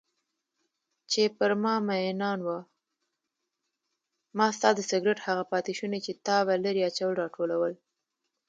ما ستا د سګرټ هغه پاتې شوني چې تا به لرې اچول راټولول.